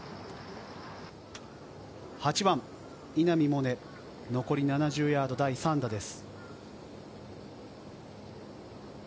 ８番、稲見萌寧、残り７０ヤード、第３打です。